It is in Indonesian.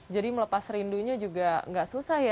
jadi melepas rindunya juga nggak susah ya